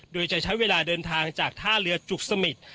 โดยจะใช้เวลาเดินทางจากท่าเรือจุกสมิท